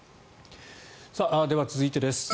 では、続いてです。